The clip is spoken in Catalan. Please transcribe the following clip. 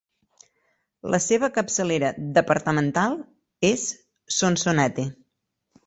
La seva capçalera departamental és Sonsonate.